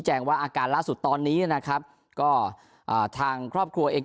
ว่าอาการล่าสุดตอนนี้นะครับก็อ่าทางครอบครัวเอง